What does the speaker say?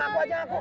udah ngaku aja aku